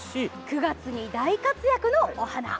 ９月に大活躍のお花！